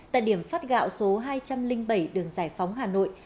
tại điểm phát gạo số hai trăm linh bảy đường giải phóng hà nội